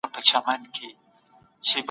ستره شورا نوي قوانين تاييدوي.